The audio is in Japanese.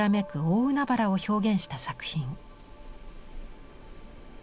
大海原を表現した作品。